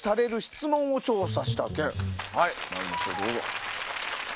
まいりましょうどうぞ。